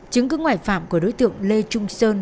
chứng cứ ngoại phạm của đối tượng lê trung sơn